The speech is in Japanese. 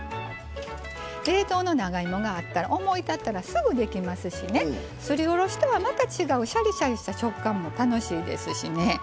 冷凍の長芋があったら思い立ったらすぐできますしすりおろしとはまた違うシャリシャリした食感も楽しいですしね。